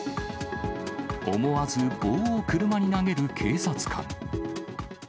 思わず棒を車に投げる警察官。